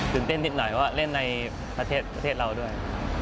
เต้นนิดหน่อยว่าเล่นในประเทศเราด้วย